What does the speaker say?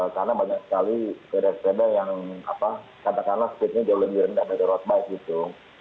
karena banyak sekali sepeda sepeda yang katakanlah speednya jauh lebih rendah dari road bike gitu